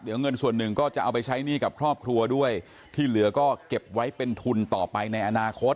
เดี๋ยวเงินส่วนหนึ่งก็จะเอาไปใช้หนี้กับครอบครัวด้วยที่เหลือก็เก็บไว้เป็นทุนต่อไปในอนาคต